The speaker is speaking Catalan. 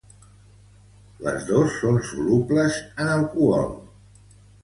Les dos són solubles en alcohol.